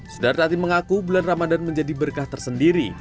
sudartati mengaku bulan ramadan menjadi berkah tersendiri